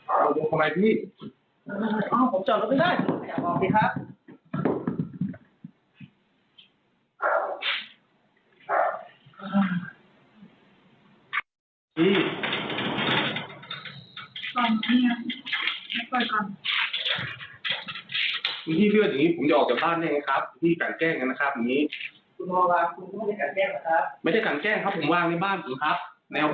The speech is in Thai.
อ้าวทำไมพี่อะไรนะอ่าผมจอดลำไม่ได้ผมยังไม่ออกดิครับ